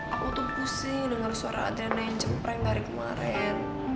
aku tuh pusing dengar suara adriana yang jepreng dari kemarin